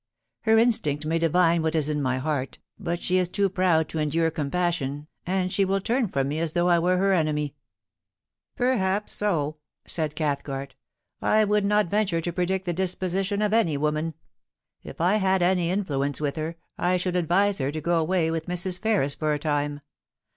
Her instinct may divine what is in my heart, but she is too proud to endure com passion, and she will turn from me as though I were her enemy.' * Perhaps so,' said Cathcart. * I would not venture to predict the disposition of any woman. If I had any influ ence with her, I should advise her to go away with Mrs. Ferris for a time.